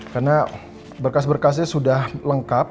karena berkas berkasnya sudah lengkap